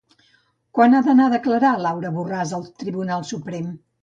Quan ha d'anar a declarar Laura Borràs al Tribunal Suprem?